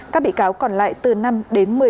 các bị cáo còn lại từ năm đến một mươi năm